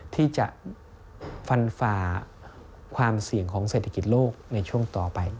ที่จะฟันฝ่าความเสี่ยงของเศรษฐกิจโลกในช่วงต่อไป